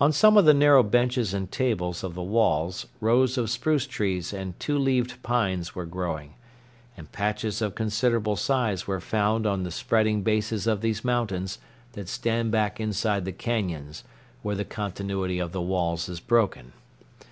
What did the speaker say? On some of the narrow benches and tables of the walls rows of spruce trees and two leaved pines were growing, and patches of considerable size were found on the spreading bases of those mountains that stand back inside the cañons, where the continuity of the walls is broken.